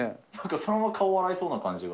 そのまま顔洗えそうな感じが。